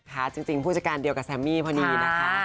จริงผู้จัดการเดียวกับแซมมี่พอดีนะคะ